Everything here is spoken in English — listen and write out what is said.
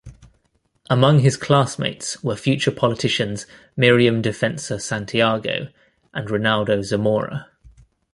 Among his classmates were future politicians Miriam Defensor Santiago and Ronaldo Zamora.